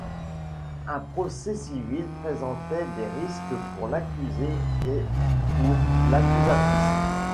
Un procès civil présentait des risques pour l'accusé et pour l'accusatrice.